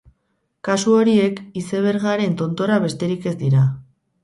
Kasu horiek icebergaren tontorra besterik ez dira.